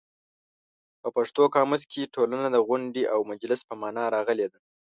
په پښتو قاموس کې ټولنه د غونډې او مجلس په مانا راغلې ده.